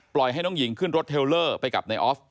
ปล่อยให้น้องหญิงขึ้นรถเทลเลอร์ไปกลับในออฟต์